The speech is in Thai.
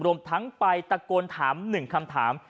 รวมทั้งไปตะโกนถาม๑คำถาม